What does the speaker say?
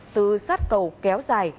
từ sát cầu kéo dài